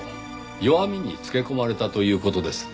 弱みにつけ込まれたという事ですね。